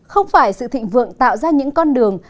không phải sự thịnh vượng tạo ra những con đường